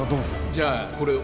じゃあこれを